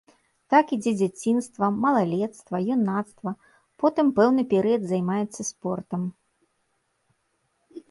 Так ідзе дзяцінства, малалецтва, юнацтва, потым пэўны перыяд займаецца спортам.